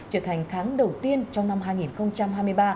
trở thành tháng đầu tiên trong năm hai nghìn hai mươi ba